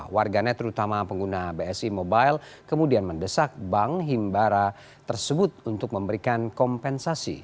warganet terutama pengguna bsi mobile kemudian mendesak bank himbara tersebut untuk memberikan kompensasi